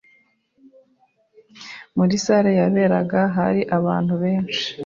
Muri salle yaberaga hari abantu benshi